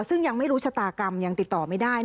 ซึ่งยังไม่รู้ชะตากรรมยังติดต่อไม่ได้